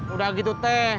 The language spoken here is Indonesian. udah gitu teh